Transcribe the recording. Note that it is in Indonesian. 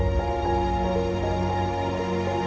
sejumlah kesehatan orang papua yang menyebabkan keguguran